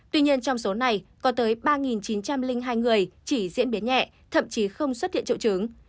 tuy nhiên trong số này có tới ba chín trăm linh hai người chỉ diễn biến nhẹ thậm chí không xuất hiện triệu chứng